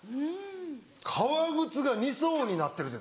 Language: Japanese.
革靴が二層になってるって